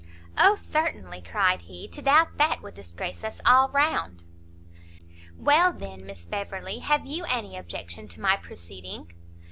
"O certainly!" cried he; "to doubt that would disgrace us all round." "Well, then, Miss Beverley, have you any objection to my proceeding?"